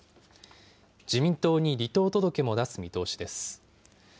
自民党に離党届も出す見通しです。